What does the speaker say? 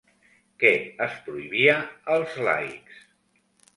Què es prohibia als laics?